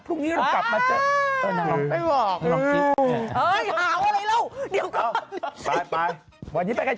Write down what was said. ทุกคนก่อนเนี่ยครับสวัสดีครับ